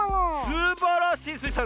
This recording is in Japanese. すばらしいスイさん！